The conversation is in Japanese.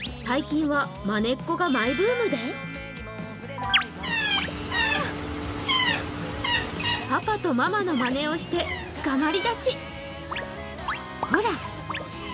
最近は、まねっこがマイブームでパパとママのまねをしてつかまり立ち。